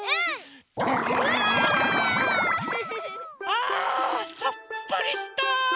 ああさっぱりした！